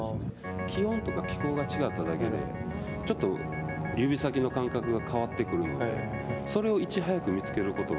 気温とか気候が違っただけでちょっと指先の感覚が変わってくるのでそれをいち早く見つけることが。